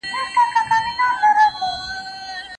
په العروة الوثقی پوري اعتصام څه دی؟